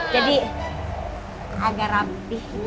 jadi agak rapih